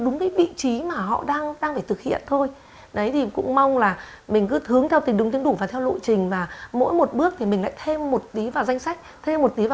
nghĩa tế đang thu chứa đúng vị trí mà họ đang phải thực hiện thôi